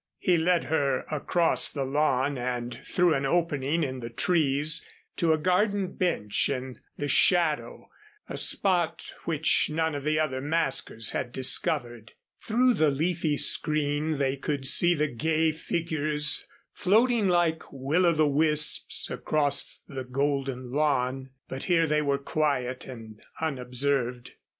He led her across the lawn and through an opening in the trees to a garden bench in the shadow, a spot which none of the other maskers had discovered. Through the leafy screen they could see the gay figures floating like will o' the wisps across the golden lawn, but here they were quiet and unobserved.